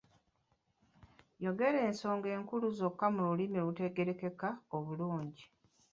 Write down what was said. Yogera ensonga enkulu zokka mu lulimi olutegeerekeka obulungi.